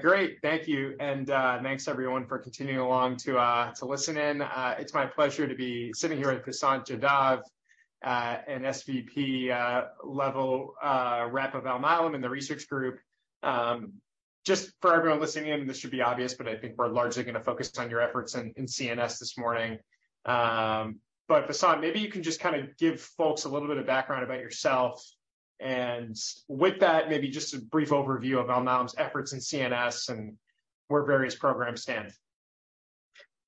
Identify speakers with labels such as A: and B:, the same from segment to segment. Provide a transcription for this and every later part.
A: Great. Thank you, and thanks everyone for continuing along to listen in. It's my pleasure to be sitting here with Vasant Jadhav, an SVP level rep of Alnylam and the research group. For everyone listening in, this should be obvious, but I think we're largely gonna focus on your efforts in CNS this morning. Vasant, maybe you can just kind of give folks a little bit of background about yourself, and with that, maybe just a brief overview of Alnylam's efforts in CNS and where various programs stand.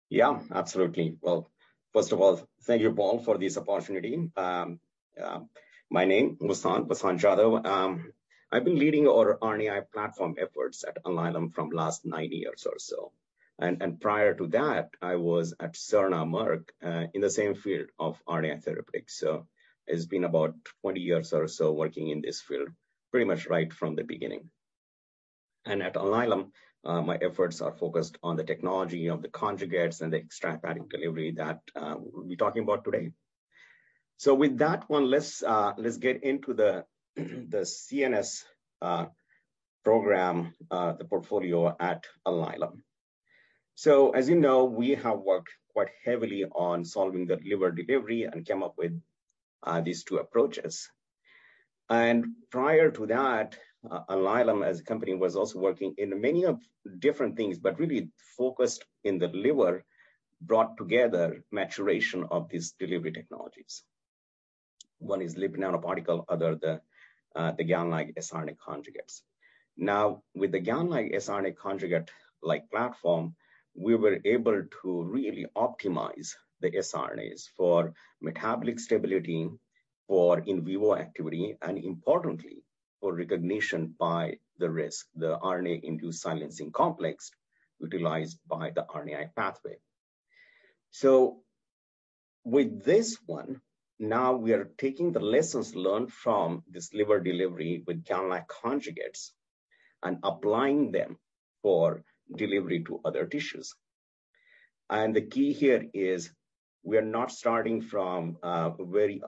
B: Yeah, absolutely. Well, first of all, thank you, Paul, for this opportunity. My name, Vasant Jadhav. I've been leading our RNAi platform efforts at Alnylam from last nine years or so, and prior to that, I was at Sirna Merck in the same field of RNA therapeutics. It's been about 20 years or so working in this field, pretty much right from the beginning. At Alnylam, my efforts are focused on the technology of the conjugates and the extrahepatic delivery that we'll be talking about today. With that one, let's get into the CNS program, the portfolio at Alnylam. As you know, we have worked quite heavily on solving the liver delivery and came up with these two approaches. Prior to that, Alnylam as a company was also working in many of different things, but really focused in the liver, brought together maturation of these delivery technologies. One is lipid nanoparticle, other the GalNAc-siRNA conjugates. With the GalNAc-siRNA conjugate-like platform, we were able to really optimize the siRNAs for metabolic stability, for in Vivo activity, and importantly, for recognition by the RISC, the RNA-Induced Silencing Complex utilized by the RNAi pathway. With this one, we are taking the lessons learned from this liver delivery with GalNAc conjugates and applying them for delivery to other tissues. The key here is we are not starting from very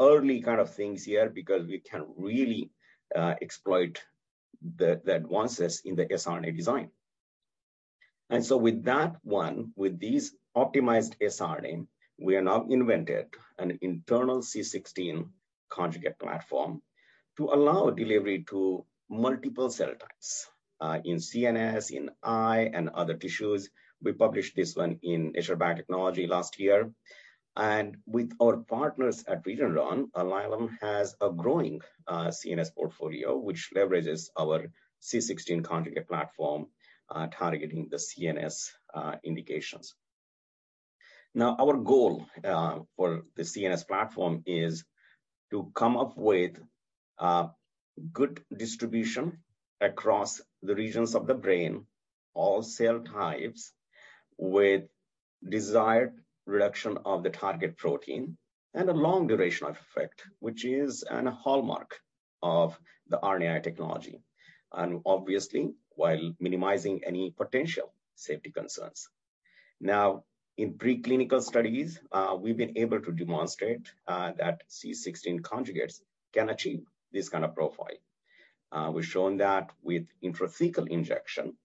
B: early kind of things here because we can really exploit the advances in the siRNA design. With that one, with these optimized siRNA, we are now invented an internal C16 conjugate platform to allow delivery to multiple cell types, in CNS, in eye, and other tissues. We published this one in Nature Biotechnology last year. With our partners at Regeneron, Alnylam has a growing CNS portfolio, which leverages our C16 conjugate platform, targeting the CNS indications. Our goal for the CNS platform is to come up with good distribution across the regions of the brain, all cell types with desired reduction of the target protein and a long duration of effect, which is an hallmark of the RNAi technology, and obviously while minimizing any potential safety concerns. In preclinical studies, we've been able to demonstrate that C16 conjugates can achieve this kind of profile. We've shown that with intrathecal injection,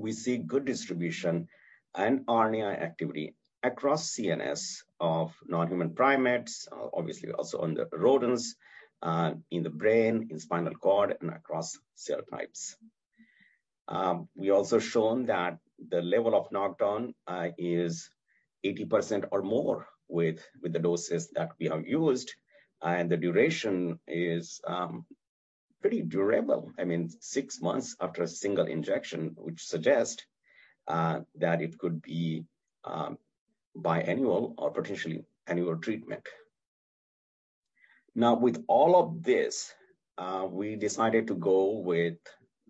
B: we see good distribution and RNAi activity across CNS of non-human primates, obviously also on the rodents, in the brain, in spinal cord, and across cell types. We also shown that the level of knockdown is 80% or more with the doses that we have used, and the duration is pretty durable. I mean, six months after a single injection, which suggest that it could be biannual or potentially annual treatment. With all of this, we decided to go with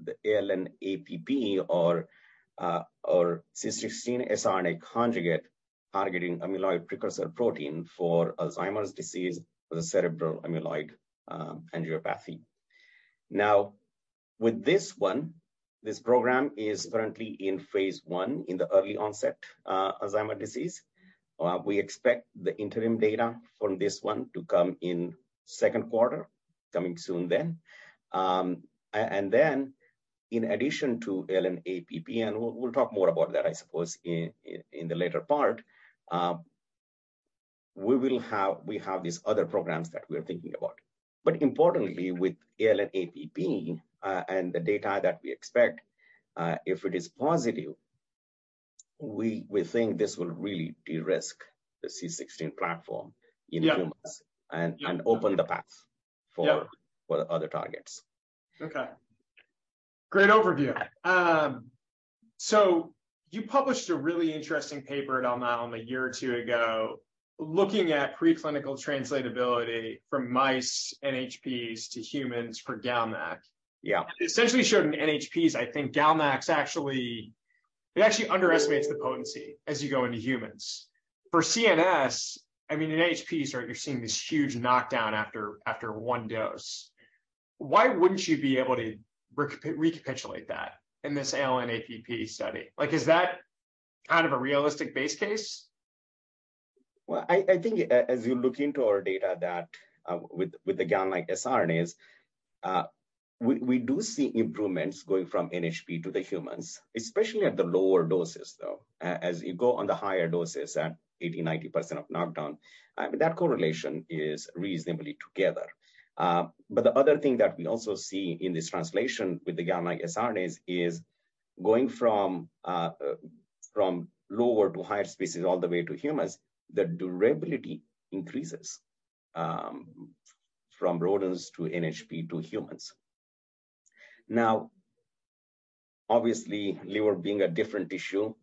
B: the ALN-APP or C16 siRNA conjugate targeting Amyloid Precursor Protein for Alzheimer's disease or the Cerebral Amyloid Angiopathy. With this one, this program is currently in phase I in the early onset Alzheimer's disease. We expect the interim data from this one to come in second quarter, coming soon then. In addition to ALN-APP, and we'll talk more about that, I suppose, in the later part, we have these other programs that we're thinking about. Importantly with ALN-APP, and the data that we expect, if it is positive, we think this will really de-risk the C16 platform in humans.
A: Yeah.
B: open the path for.
A: Yeah.
B: for other targets.
A: Okay. Great overview. You published a really interesting paper at Alnylam a year or two ago looking at preclinical translatability from mice NHPs to humans for GalNAc.
B: Yeah.
A: It essentially showed in NHPs, I think it actually underestimates the potency as you go into humans. For CNS, I mean, in NHPs, right, you're seeing this huge knockdown after one dose. Why wouldn't you be able to recapitulate that in this LNP study? Like, is that kind of a realistic base case?
B: Well, I think as you look into our data that, with the GalNAc siRNAs, we do see improvements going from NHP to the humans, especially at the lower doses, though. As you go on the higher doses at 80%, 90% of knockdown, I mean, that correlation is reasonably together. The other thing that we also see in this translation with the GalNAc siRNAs is going from lower to higher species all the way to humans, the durability increases from rodents to NHP to humans. Now, obviously, liver being a different tissue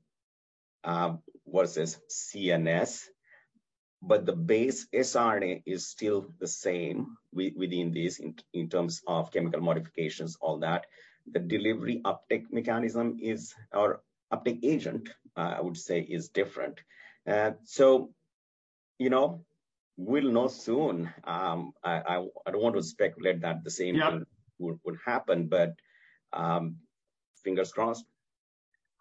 B: versus CNS, but the base siRNA is still the same within these in terms of chemical modifications, all that. The delivery uptick mechanism or uptick agent, I would say is different. You know, we'll know soon.I don't want to speculate that the same thing.
A: Yeah
B: -would happen, but, fingers crossed.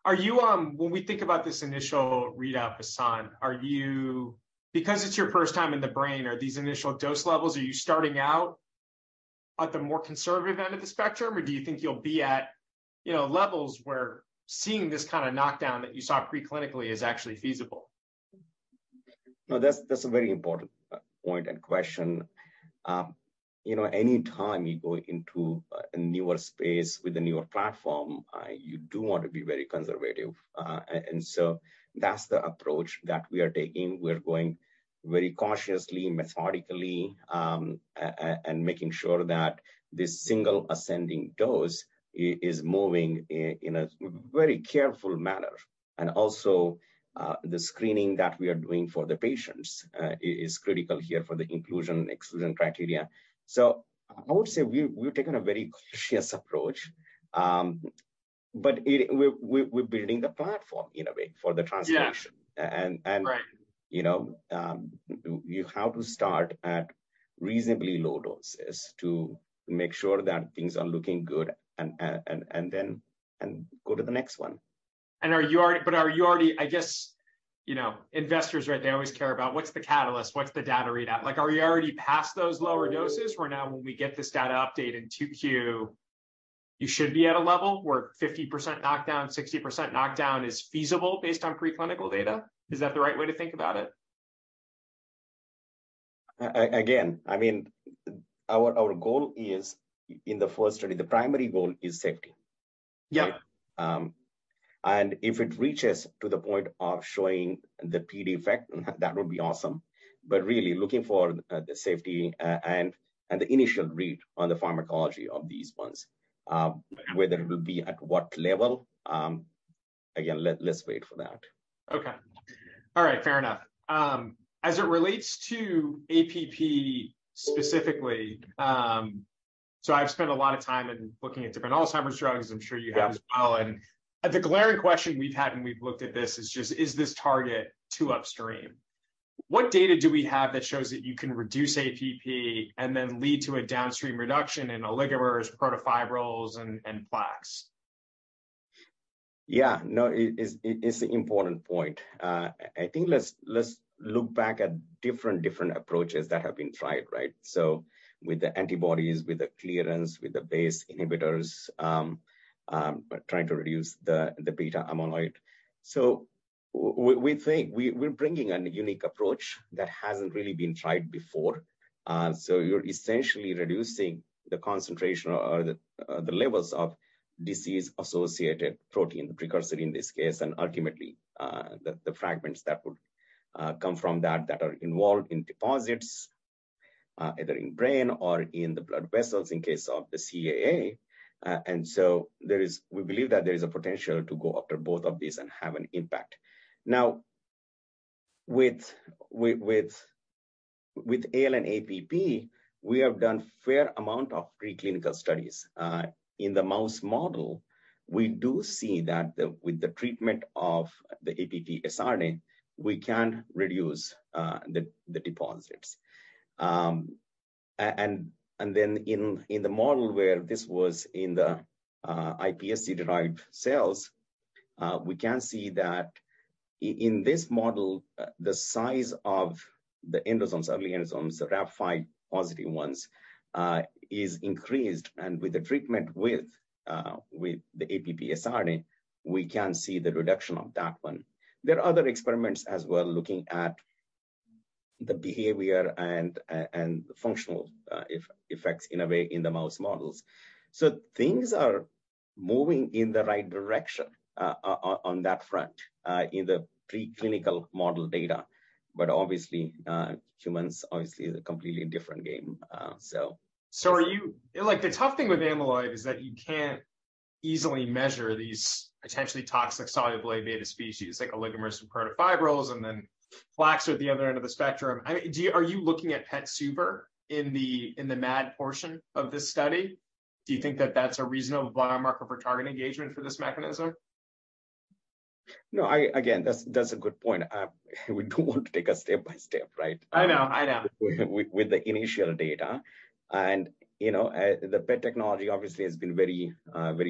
A: When we think about this initial readout, Vasant, because it's your first time in the brain, are these initial dose levels, are you starting out at the more conservative end of the spectrum? Or do you think you'll be at, you know, levels where seeing this kinda knockdown that you saw preclinically is actually feasible?
B: No, that's a very important point and question. You know, any time you go into a newer space with a newer platform, you do want to be very conservative. That's the approach that we are taking. We're going very cautiously, methodically, and making sure that this single ascending dose is moving in a very careful manner. Also, the screening that we are doing for the patients is critical here for the inclusion, exclusion criteria. I would say we're taking a very cautious approach. We're building the platform in a way for the translation.
A: Yeah.
B: A-and, and-
A: Right...
B: you know, you have to start at reasonably low doses to make sure that things are looking good and then, and go to the next one.
A: I guess, you know, investors, right, they always care about what's the catalyst, what's the data readout. Like, are you already past those lower doses, where now when we get this data update in 2Q, you should be at a level where 50% knockdown, 60% knockdown is feasible based on preclinical data? Is that the right way to think about it?
B: Again, I mean, our goal is in the first study, the primary goal is safety.
A: Yeah.
B: If it reaches to the point of showing the PD effect, that would be awesome. Really looking for the safety and the initial read on the pharmacology of these ones. Whether it will be at what level, again, let's wait for that.
A: Okay. All right. Fair enough. As it relates to APP specifically, I've spent a lot of time in looking at different Alzheimer's drugs. I'm sure you have as well.
B: Yeah.
A: The glaring question we've had when we've looked at this is just, is this target too upstream? What data do we have that shows that you can reduce APP and then lead to a downstream reduction in oligomers, protofibrils, and plaques?
B: No, it is an important point. I think let's look back at different approaches that have been tried, right? With the antibodies, with the clearance, with the BACE inhibitors, trying to reduce the Beta-amyloid. We think we're bringing a unique approach that hasn't really been tried before. You're essentially reducing the concentration or the levels of disease-associated protein, precursor in this case, and ultimately the fragments that would come from that that are involved in deposits, either in brain or in the blood vessels in case of the CAA. We believe that there is a potential to go after both of these and have an impact. Now, with ALN-APP, we have done fair amount of preclinical studies. In the mouse model, we do see that with the treatment of the APP siRNA, we can reduce the deposits. Then in the model where this was in the iPSC-derived cells, we can see that in this model, the size of the endosomes, early endosomes, the Rab5-positive ones, is increased. With the treatment with the APP siRNA, we can see the reduction of that one. There are other experiments as well looking at the behavior and functional effects in a way in the mouse models. Things are moving in the right direction on that front in the preclinical model data. Obviously, humans obviously is a completely different game.
A: Like, the tough thing with amyloid is that you can't easily measure these potentially toxic soluble Beta species, like oligomers and protofibrils, and then plaques are at the other end of the spectrum. I mean, are you looking at PET SUVr in the MAD portion of this study? Do you think that that's a reasonable biomarker for target engagement for this mechanism?
B: No, I, again, that's a good point. We do want to take a step by step, right?
A: I know, I know.
B: With the initial data. You know, the PET technology obviously has been very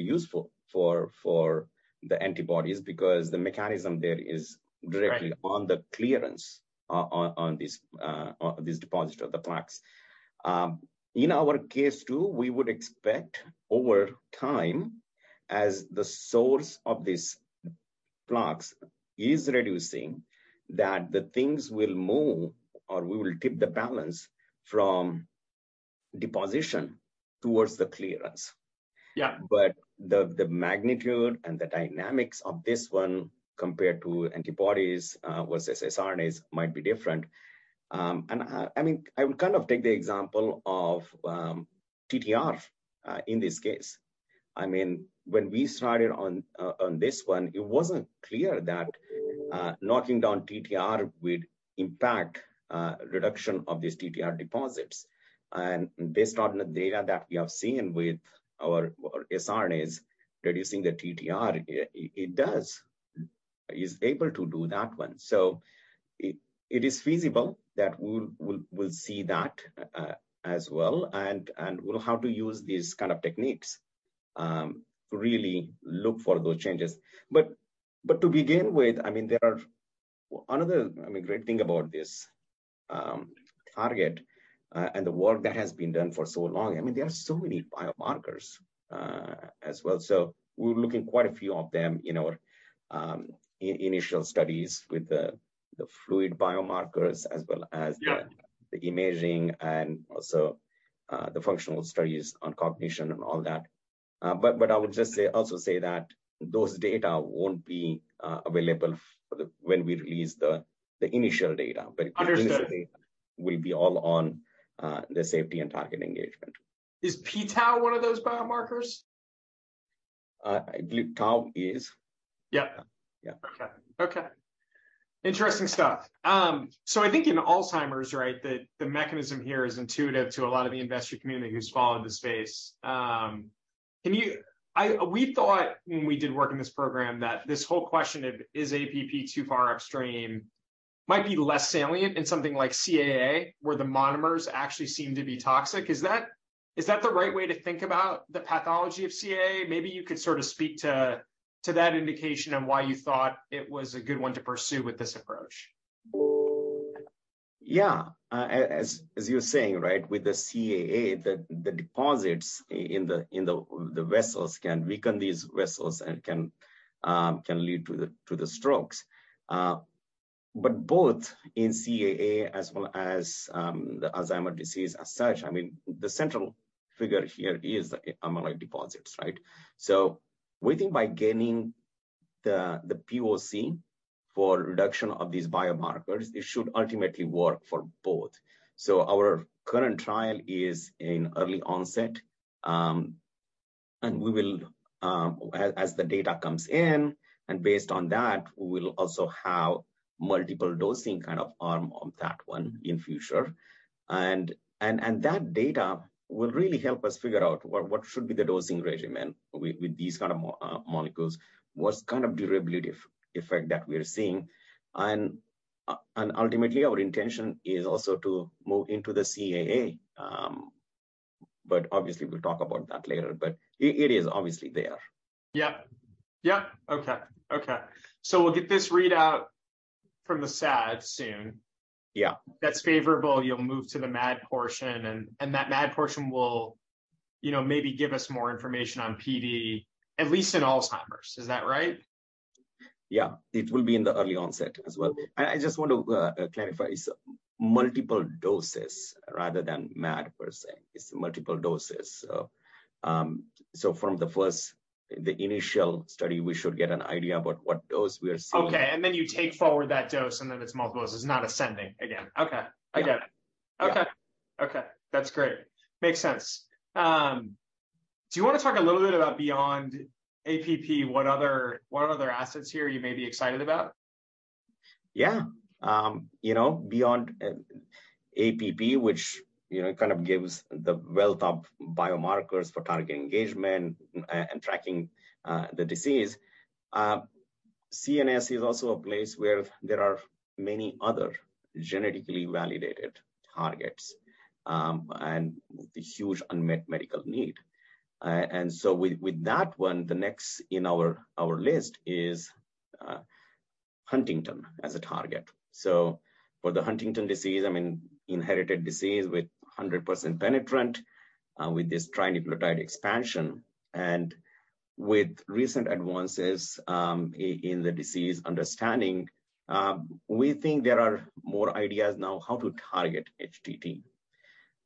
B: useful for the antibodies because the mechanism there is.
A: Right
B: Directly on the clearance. on this deposit of the plaques. In our case too, we would expect over time, as the source of these plaques is reducing, that the things will move or we will tip the balance from deposition towards the clearance.
A: Yeah.
B: The magnitude and the dynamics of this one compared to antibodies versus siRNAs might be different. I mean, I would kind of take the example of TTR in this case. I mean, when we started on this one, it wasn't clear that knocking down TTR would impact reduction of these TTR deposits. Based on the data that we have seen with our siRNAs reducing the TTR, it does. It's able to do that one. It is feasible that we'll see that as well and we'll have to use these kind of techniques to really look for those changes. To begin with, I mean, there are... Another, I mean, great thing about this target, and the work that has been done for so long, I mean, there are so many biomarkers as well. We're looking quite a few of them in our initial studies with the fluid biomarkers as well as.
A: Yeah...
B: the imaging and also, the functional studies on cognition and all that. I would just say that those data won't be available when we release the initial data.
A: Understood...
B: the initial data will be all on, the safety and target engagement.
A: Is p-tau one of those biomarkers?
B: I believe tau is.
A: Yeah.
B: Yeah.
A: Okay. Okay. Interesting stuff. I think in Alzheimer's, right, the mechanism here is intuitive to a lot of the investor community who's followed the space. We thought when we did work in this program that this whole question of is APP too far upstream might be less salient in something like CAA where the monomers actually seem to be toxic. Is that the right way to think about the pathology of CAA? Maybe you could sort of speak to that indication and why you thought it was a good one to pursue with this approach.
B: Yeah. As you were saying, right, with the CAA, the deposits in the vessels can weaken these vessels and can lead to the strokes. Both in CAA as well as, the Alzheimer's disease as such, I mean, the central figure here is amyloid deposits, right? We think by gaining the POC for reduction of these biomarkers, it should ultimately work for both. Our current trial is in early onset, we will as the data comes in, based on that, we will also have multiple dosing kind of arm on that one in future. That data will really help us figure out what should be the dosing regimen with these kind of molecules, what's kind of durability effect that we're seeing. Ultimately our intention is also to move into the CAA, but obviously we'll talk about that later. it is obviously there.
A: Yeah. Yeah. Okay. Okay. We'll get this readout from the SAD soon.
B: Yeah.
A: That's favorable, you'll move to the MAD portion, and that MAD portion will, you know, maybe give us more information on PD, at least in Alzheimer's. Is that right?
B: Yeah. It will be in the early onset as well. I just want to clarify, it's multiple doses rather than MAD per se. It's multiple doses. From the first, the initial study, we should get an idea about what dose we are seeing.
A: Okay. You take forward that dose, and then it's multiple doses. It's not ascending again. Okay. I get it.
B: Yeah.
A: Okay. Okay. That's great. Makes sense. Do you wanna talk a little bit about beyond APP, what other assets here you may be excited about?
B: Yeah. you know, beyond APP, which, you know, kind of gives the wealth of biomarkers for target engagement and tracking the disease, CNS is also a place where there are many other genetically validated targets and the huge unmet medical need. With that one, the next in our list is Huntington as a target. For the Huntington disease, I mean, inherited disease with 100% penetrant with this trinucleotide expansion. With recent advances in the disease understanding, we think there are more ideas now how to target HTT.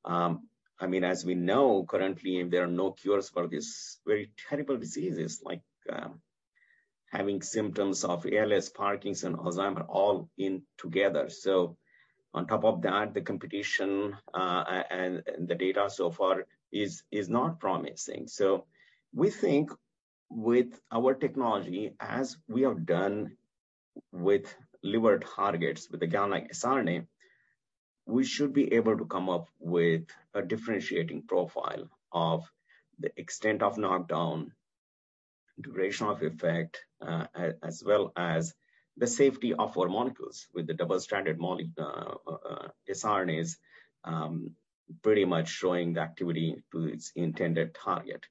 B: I mean, as we know currently, there are no cures for these very terrible diseases like having symptoms of ALS, Parkinson, Alzheimer all in together. On top of that, the competition and the data so far is not promising. We think with our technology, as we have done with lowered targets with a guide like siRNA, we should be able to come up with a differentiating profile of the extent of knockdown, duration of effect, as well as the safety of our molecules with the double stranded siRNAs, pretty much showing the activity to its intended target.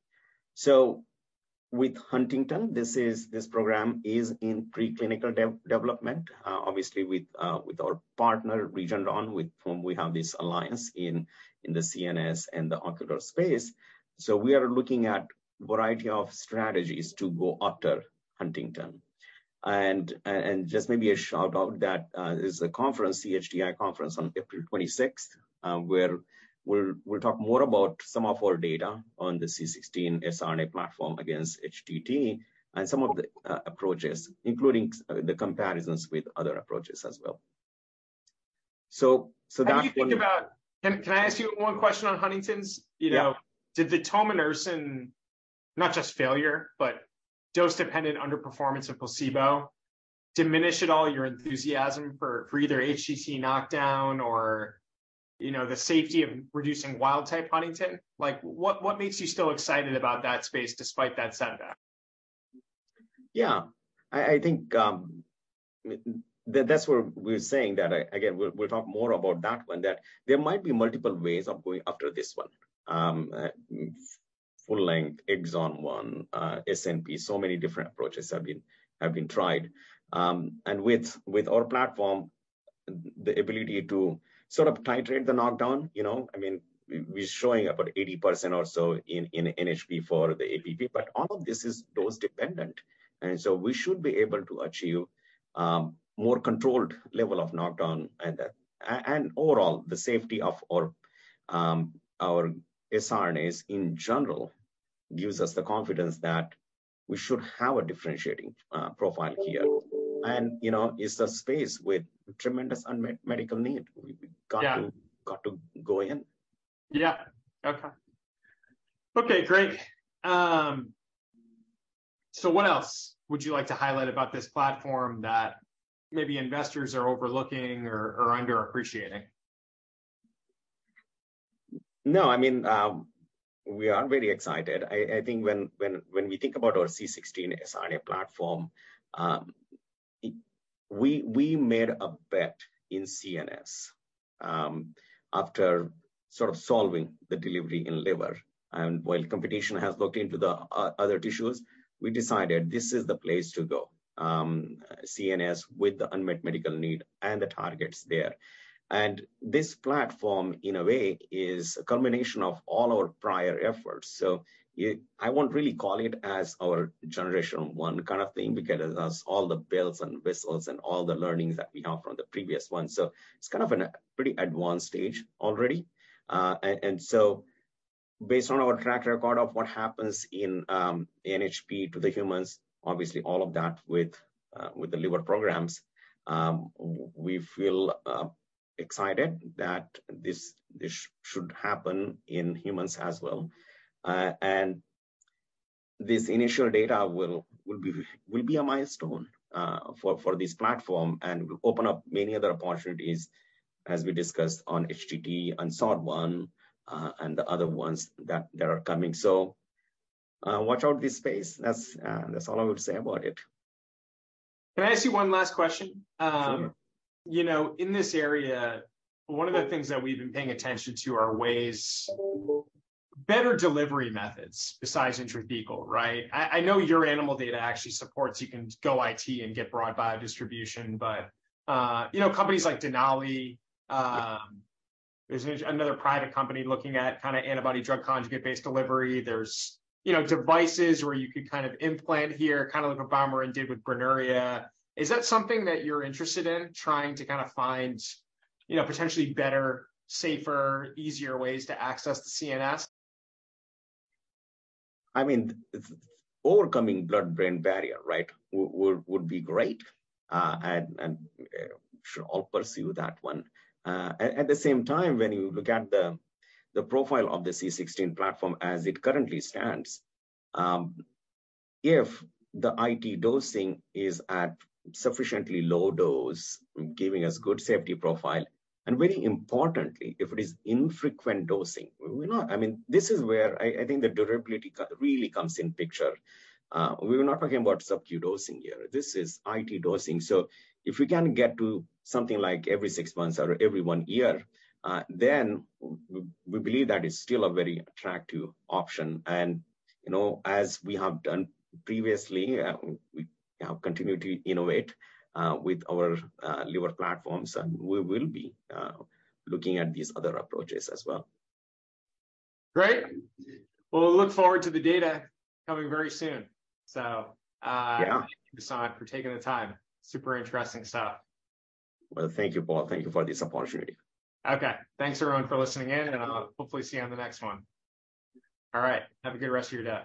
B: With Huntington, this program is in preclinical development, obviously with our partner, Regeneron, with whom we have this alliance in the CNS and the ocular space. We are looking at variety of strategies to go after Huntington. Just maybe a shout-out that, there's a CHDI conference on April 26, where we'll talk more about some of our data on the C16 siRNA platform against HTT and some of the approaches, including the comparisons with other approaches as well.
A: Can I ask you one question on Huntington's?
B: Yeah.
A: You know, did the Tominersen, not just failure, but dose-dependent underperformance of placebo diminish at all your enthusiasm for either HTT knockdown or, you know, the safety of reducing wild type Huntington? Like, what makes you still excited about that space despite that setback?
B: Yeah. I think that's where we're saying that, again, we'll talk more about that one, that there might be multiple ways of going after this one. Full-length exon-1, SNP, many different approaches have been tried. With our platform, the ability to sort of titrate the knockdown, you know? I mean, we're showing about 80% or so in NHP for the APP, but all of this is dose dependent. We should be able to achieve more controlled level of knockdown and that. Overall, the safety of our sRNAs in general gives us the confidence that we should have a differentiating profile here. You know, it's a space with tremendous unmet medical need.
A: Yeah.
B: We've got to go in.
A: Yeah. Okay. Okay, great. What else would you like to highlight about this platform that maybe investors are overlooking or underappreciating?
B: No, I mean, we are very excited. I think when we think about our C16 siRNA platform, we made a bet in CNS after sort of solving the delivery in liver. While competition has looked into the other tissues, we decided this is the place to go, CNS with the unmet medical need and the targets there. This platform, in a way, is a combination of all our prior efforts. I won't really call it as our generation one kind of thing because it has all the bells and whistles and all the learnings that we have from the previous one. It's kind of in a pretty advanced stage already. Based on our track record of what happens in NHP to the humans, obviously all of that with the liver programs, we feel excited that this should happen in humans as well. This initial data will be a milestone for this platform and will open up many other opportunities, as we discussed on HTT and SOD1, and the other ones that are coming. Watch out this space. That's all I would say about it.
A: Can I ask you one last question?
B: Sure.
A: You know, in this area, one of the things that we've been paying attention to are ways, better delivery methods besides intrathecal, right? I know your animal data actually supports you can go IT and get broad bio distribution, but, you know, companies like Denali, there's another private company looking at kinda antibody-drug conjugate-based delivery. There's, you know, devices where you could kind of implant here, kinda like what [Bomber and Dave with Brujeria]. Is that something that you're interested in trying to kinda find, you know, potentially better, safer, easier ways to access the CNS?
B: I mean, overcoming blood-brain barrier, right, would be great, and should all pursue that one. At the same time, when you look at the profile of the C16 platform as it currently stands, if the IT dosing is at sufficiently low dose, giving us good safety profile, and very importantly, if it is infrequent dosing, we're not... I mean, this is where I think the durability really comes in picture. We're not talking about subcutaneous dosing here. This is IT dosing. If we can get to something like every six months or every one year, then we believe that is still a very attractive option. You know, as we have done previously, we have continued to innovate with our liver platforms, and we will be looking at these other approaches as well.
A: Great. Well, we look forward to the data coming very soon.
B: Yeah
A: thank you, Vasant, for taking the time. Super interesting stuff.
B: Well, thank you, Paul. Thank you for this opportunity.
A: Okay. Thanks, everyone, for listening in, and I'll hopefully see you on the next one. All right. Have a good rest of your day.